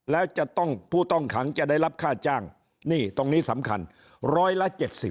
แล้วจะต้องผู้ต้องขังจะได้รับค่าจ้างนี่ตรงนี้สำคัญร้อยละ๗๐